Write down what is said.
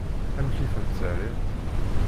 Amek i tent-terriḍ?